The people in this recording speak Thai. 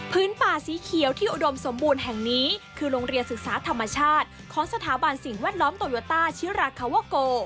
ป่าสีเขียวที่อุดมสมบูรณ์แห่งนี้คือโรงเรียนศึกษาธรรมชาติของสถาบันสิ่งแวดล้อมโตโยต้าชิราคาวาโก